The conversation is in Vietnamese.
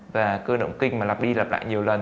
và cơ động kinh mà lặp đi lặp lại nhiều lần